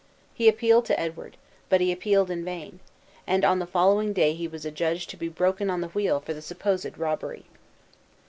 He appealed to Edward, but he appealed in vain; and on the following day he was adjudged to be broken on the wheel for the supposed robbery.